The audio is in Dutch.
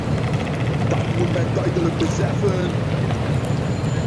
Dat moet men duidelijk beseffen!